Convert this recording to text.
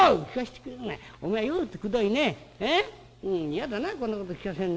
嫌だなこんなこと聞かせんのは。